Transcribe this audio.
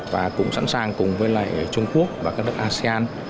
và cũng sẵn sàng cùng với trung quốc và các đất asean